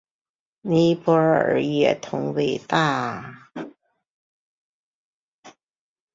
尼泊尔野桐为大戟科野桐属下的一个种。